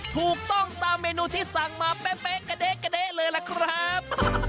ถูกต้องตามเมนูที่สั่งมาเป๊ะกระเด๊กระเด๊ะเลยล่ะครับ